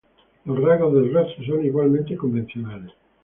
Los rasgos del rostro son igualmente convencionales.